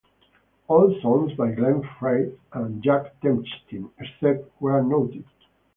All songs by Glenn Frey and Jack Tempchin, except where noted.